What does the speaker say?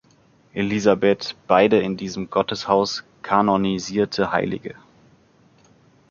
Elisabeth", beide in diesem Gotteshaus kanonisierte Heilige.